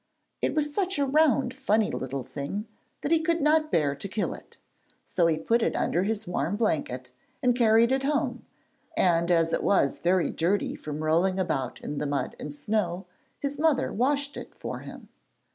It was such a round, funny little thing that he could not bear to kill it, so he put it under his warm blanket, and carried it home, and as it was very dirty from rolling about in the mud and snow, his mother washed it for him.